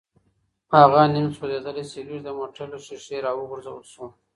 هغه نیم سوځېدلی سګرټ د موټر له ښیښې راوغورځول شو.